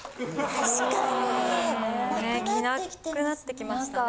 確かになくなってきてますね。